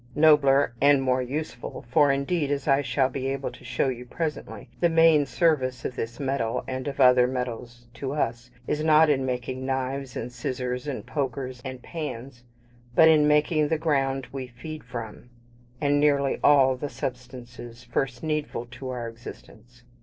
_ Nobler, and more useful for, indeed, as I shall be able to show you presently the main service of this metal, and of all other metals, to us, is not in making knives, and scissors, and pokers, and pans, but in making the ground we feed from, and nearly all the substances first needful to our existence.